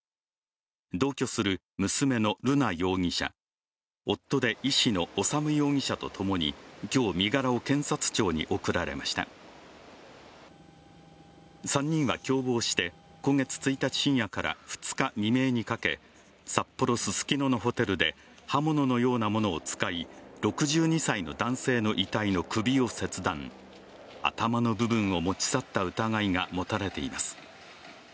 同居する娘の瑠奈容疑者夫で医師の修容疑者とともに今日、身柄を検察庁に送られました３人は共謀して今月１日深夜から２日未明にかけ札幌・ススキノのホテルで刃物のようなものを使い６２歳の男性の遺体の首を切断、頭の部分を持ち去った疑いが持たれています。